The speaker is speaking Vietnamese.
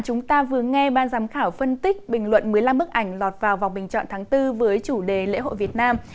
chúng ta vừa nghe ban giám khảo phân tích bình luận một mươi năm bức ảnh lọt vào vòng bình chọn tháng bốn với chủ đề lễ hội việt nam